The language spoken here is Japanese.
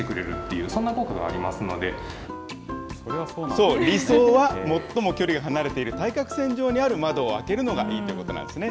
そう、理想は最も距離が離れている、対角線上にある窓を開けるのがいいということなんですね。